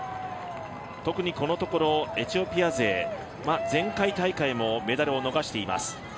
特にこのところエチオピア勢、前回大会もメダルを逃しています。